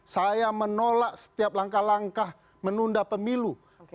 saya menolak setiap langkah langkah menunda pemilu